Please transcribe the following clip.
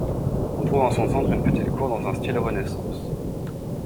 On trouve en son centre une petite cour dans un style Renaissance.